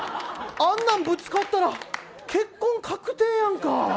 あんなんぶつかったら結婚確定やんか。